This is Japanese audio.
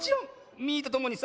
ミーとともにさ